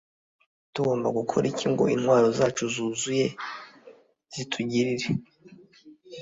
tugomba gukora iki ngo intwaro zacu zuzuye zitugirire